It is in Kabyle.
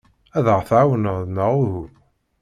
Ad aɣ-tɛawneḍ neɣ uhu?